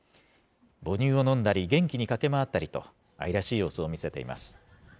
母乳を飲んだり元気に駆け回ったりと、愛らしい様子を見せています。